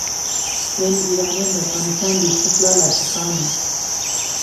یعنې ایرانیان د افغانستان د استقلال عاشقان وو.